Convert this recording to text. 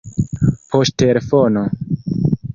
poŝtelefono